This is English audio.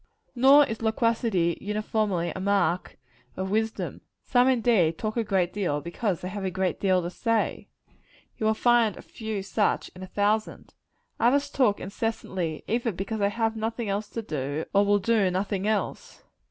Nor is loquacity uniformly a mark of wisdom. Some, indeed, talk a great deal, because they have a great deal to say: you will find a few such in a thousand. Others talk incessantly, either because they have nothing else to do, or will do nothing else.